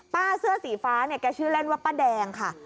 เสื้อสีฟ้าเนี่ยแกชื่อเล่นว่าป้าแดงค่ะ